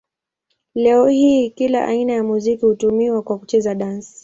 Leo hii kila aina ya muziki hutumiwa kwa kucheza dansi.